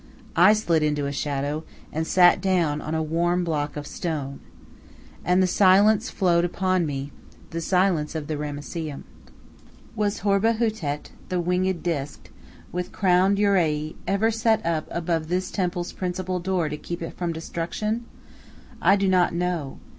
I slid into a shadow, and sat down on a warm block of stone. And the silence flowed upon me the silence of the Ramesseum. Was Horbehutet, the winged disk, with crowned uroei, ever set up above this temple's principal door to keep it from destruction? I do not know.